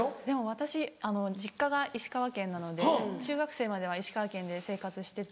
私実家が石川県なので中学生までは石川県で生活してて。